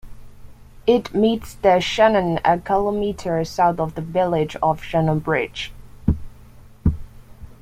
It meets the Shannon a kilometer south of the village of Shannonbridge.